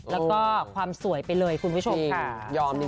แล้วก็ความสวยไปเลยคุณผู้ชมค่ะ